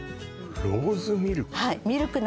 ローズミルク？